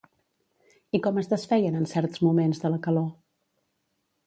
I com es desfeien en certs moments de la calor?